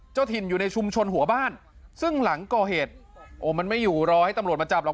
เจ้าถิ่นอยู่ในชุมชนหัวบ้านซึ่งหลังก่อเหตุโอ้มันไม่อยู่รอให้ตำรวจมาจับหรอก